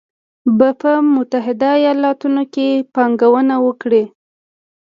به په متحدو ایالتونو کې پانګونه وکړي